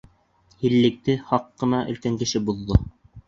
Һиллекте һаҡ ҡына өлкән кеше боҙҙо: